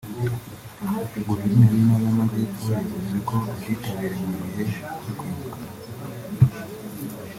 Guverineri w’intara y’Amajyepfo yavuze ko ubwitabire mu gihe cyo kwibuka